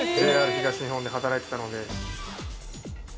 ＪＲ東日本で働いてたので。